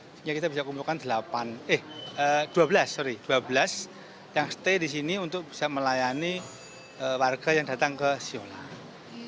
sehingga kita bisa kumpulkan dua belas yang stay di sini untuk bisa melayani warga yang datang ke siolabunga